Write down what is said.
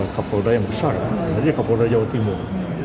kapolda yang besar jadi kapolda jawa timur